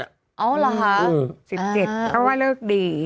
อ๋อเหรอฮะอืมฮ่าสิบเจ็ดเขาว่าเลิกดี